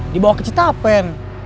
dibawa ke citapen